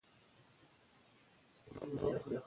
مهاراجا د جګړې په مالونو کي نیمه برخه لري.